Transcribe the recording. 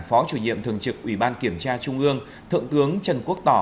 phó chủ nhiệm thường trực ủy ban kiểm tra trung ương thượng tướng trần quốc tỏ